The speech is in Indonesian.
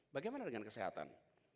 bagaimana dengan kesehatan